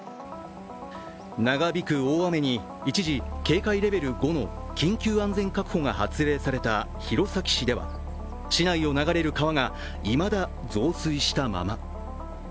長引く大雨に一時、警戒レベル５の緊急安全確保が発令された弘前市では市内を流れる川がいまだ増水したまま。